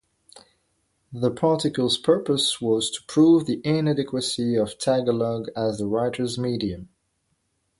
The article's purpose was to prove the inadequacy of Tagalog as the writer's medium.